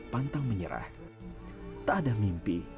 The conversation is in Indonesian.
dan tak selalu mudah dilewati